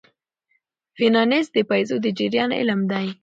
فینانس د پیسو د جریان علم دی.